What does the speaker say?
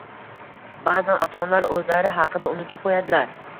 ba’zan ota-onalar o‘zlari haqida unutib qo‘yadilar.